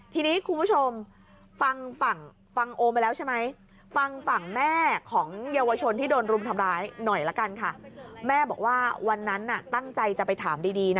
ทีนี้คุณผู้ชมฟังโอมไปแล้วใช่ไหม